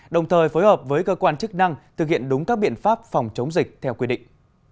đồng thời phối hợp với cơ quan chức năng thực hiện đúng các biện pháp phòng chống dịch theo quy định